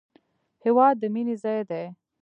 هېواد د مینې ځای دی